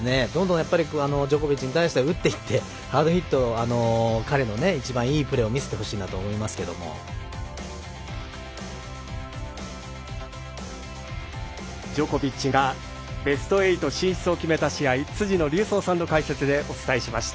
よくジョコビッチに対してハードヒットで彼の一番いいプレーをジョコビッチがベスト８進出を決めた試合を辻野隆三さんの解説でお伝えしました。